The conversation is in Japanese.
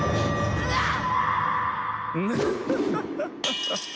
うわっ！